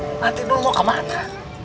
nanti dulu mau kemana